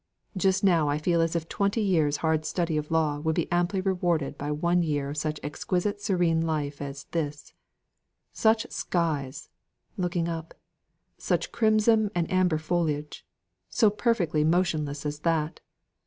Just now I feel as if twenty years' hard study of law would be amply rewarded by one year of such an exquisite serene life as this such skies!" looking up "such crimson and amber foliage, so perfectly motionless as that!"